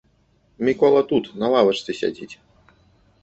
Мікола тут, на лавачцы сядзіць!